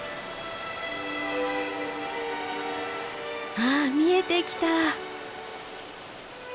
あっ見えてきた。